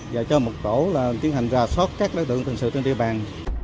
và cho một tổ là tiến hành ra sót các đối tượng thần sự trên địa bàn